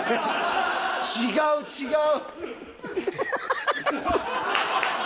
違う違う！